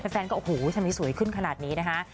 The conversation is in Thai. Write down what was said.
แฟนก็โอ้โหทำไมสวยขึ้นขนาดนี้นะคะ